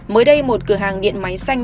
mới đây một cửa hàng điện máy xanh